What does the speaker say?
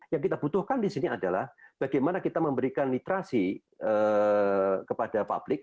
yang kita butuhkan di sini adalah bagaimana kita memberikan literasi kepada publik